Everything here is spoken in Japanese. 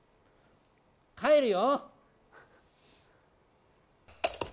帰るよ。